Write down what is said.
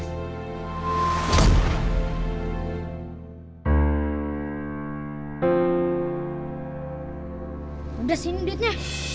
udah sini duitnya